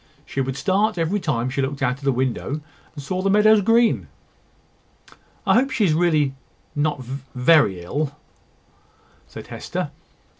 She would start every time she looked out of her window, and saw the meadows green." "I hope she is not really very ill," said Hester.